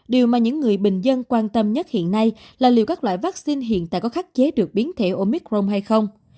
điều mà những người bình dân quan tâm nhất hiện nay là liệu các loại vaccine hiện tại có khắc chế được biến thể omicron hay không